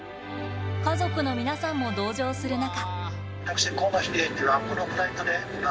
家族の皆さんも同乗する中。